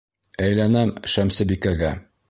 Әйләнәм Шәмсебикәгә!